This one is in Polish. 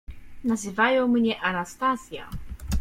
"Nazywają mnie Anastazja."